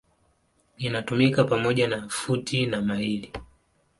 Inatumika pamoja na futi na maili.